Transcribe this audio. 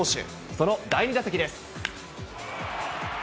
その第２打席です。